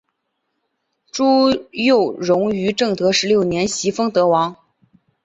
朱佑榕于正德十六年袭封德王。